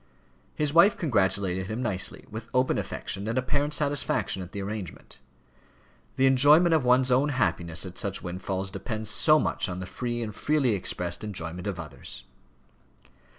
His wife congratulated him nicely, with open affection, and apparent satisfaction at the arrangement. The enjoyment of one's own happiness at such windfalls depends so much on the free and freely expressed enjoyment of others!